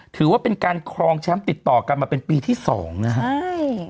ถือว่าเป็นการครองช้ำติดต่อกันมาเป็นปีที่๒นะครับ